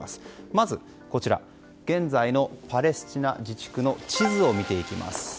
まず、現在のパレスチナ自治区の地図を見ていきます。